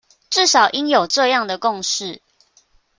至少應有這樣的共識